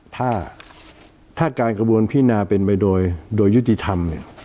ถ้าการกระบวนพินาเป็นไปโดยยุติธรรม